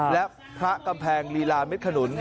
และพระกำแพงลีลาเม็ดขนุน